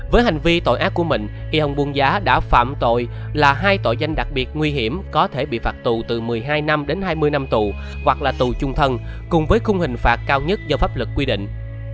với hành vi tội ác của mình y hồng buông giá đã phạm tội là hai tội danh đặc biệt nguy hiểm có thể bị phạt tù từ một mươi hai năm đến hai mươi năm tù hoặc là tù chung thân cùng với khung hình phạt cao nhất do pháp lực quy định